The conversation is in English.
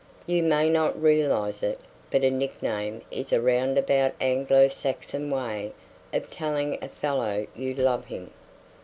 You may not realize it, but a nickname is a round about Anglo Saxon way of telling a fellow you love him.